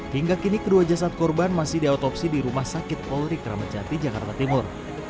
hingga kini kedua jasad korban masih diotopsi di rumah sakit polri kramat jati jakarta timur